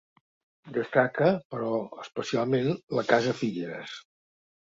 Destaca, però, especialment la casa Figueres.